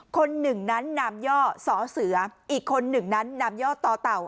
คนหนึ่งนั้นนามย่อสอเสืออีกคนหนึ่งนั้นนามย่อต่อเต่า